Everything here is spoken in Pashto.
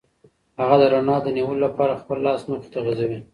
هغه د رڼا د نیولو لپاره خپل لاس مخې ته غځوي.